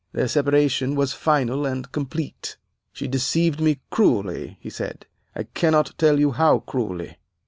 Their separation was final and complete. "'She deceived me cruelly,' he said; 'I cannot tell you how cruelly.